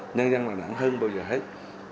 nhân dân là nặng hơn bao giờ hết